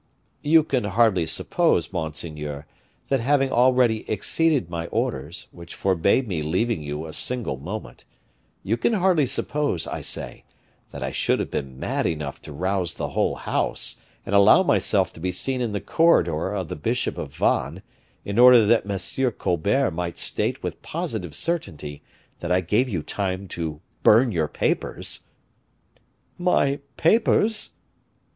"You can hardly suppose, monseigneur, that having already exceeded my orders, which forbade me leaving you a single moment you can hardly suppose, I say, that I should have been mad enough to rouse the whole house and allow myself to be seen in the corridor of the bishop of Vannes, in order that M. Colbert might state with positive certainty that I gave you time to burn your papers." "My papers?"